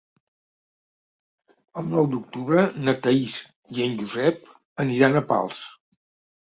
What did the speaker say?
El nou d'octubre na Thaís i en Josep aniran a Pals.